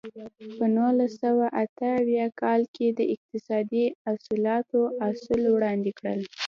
په نولس سوه اته اویا کال کې د اقتصادي اصلاحاتو اصول وړاندې کړل.